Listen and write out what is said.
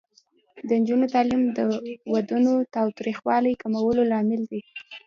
د نجونو تعلیم د ودونو تاوتریخوالي کمولو لامل دی.